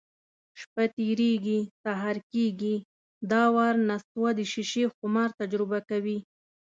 شپه تېرېږي، سهار کېږي. دا وار نستوه د شیشې خمار تجربه کوي: